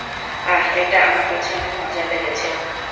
আহ, এটা আমার কাছে অনেক মজার লেগেছে।